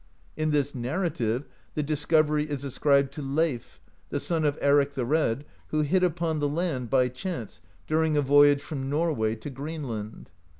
In this narrative the discovery is ascribed to Leif, the son of Eric the Red, who hit upon the land, by chance, during a voyage from Norway to Greenland.